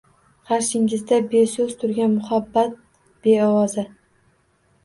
Qarshingda beso‘z turgan muhabbat beovoza